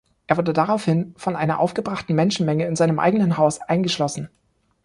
Er wurde daraufhin von einer aufgebrachten Menschenmenge in seinem eigenen Haus eingeschlossen.